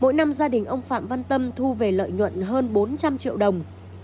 mỗi năm gia đình ông phạm văn tâm thu về lợi nhuận hơn bốn trăm linh